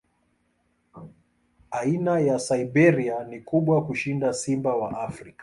Aina ya Siberia ni kubwa kushinda simba wa Afrika.